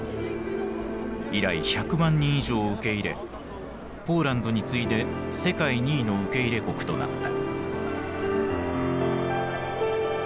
以来１００万人以上を受け入れポーランドに次いで世界２位の受け入れ国となった。